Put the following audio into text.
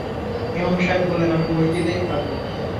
ইমাম সাহেব বললেন, আমি মসজিদেই থাকব।